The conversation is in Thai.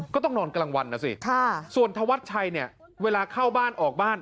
ก็ต้องนอนกลางวันนะสิส่วนธวัดชัยเนี่ยเวลาเข้าบ้านออกบ้าน